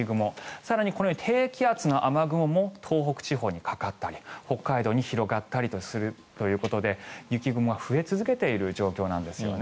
更に低気圧の雨雲も東北地方にかかったり北海道に広がったりとするということで雪雲が増え続けている状況なんですよね。